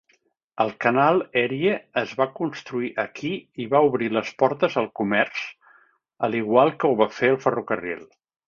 El canal Erie es va construir aquí i va obrir les portes al comerç, al igual que ho va fer el ferrocarril.